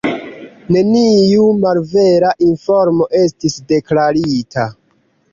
Neniu malvera informo estis deklarita.